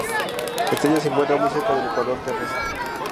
La estrella se encuentra muy cerca del ecuador terrestre.